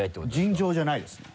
尋常じゃないですね。